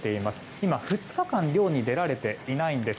今、２日間漁に出られていないんです。